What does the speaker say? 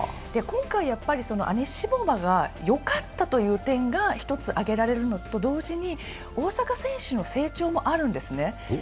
今回アニシモバがよかった点が１つ挙げられるのと同時に、大坂選手の成長もあるんですね。